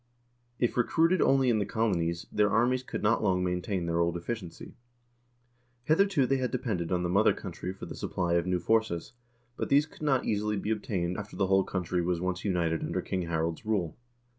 If recruited only in the colonies, their armies could not long maintain their old efficiency. Hitherto they had depended on the mother country for the supply of new forces, but these could not easily be obtained after the whole country was once united under King Harald's rule.